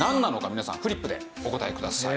皆さんフリップでお答えください。